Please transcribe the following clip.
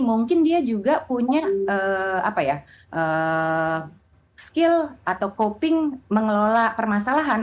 mungkin dia juga punya skill atau coping mengelola permasalahan